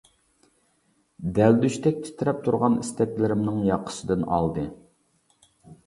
دەلدۈشتەك تىترەپ تۇرغان ئىستەكلىرىمنىڭ ياقىسىدىن ئالدى.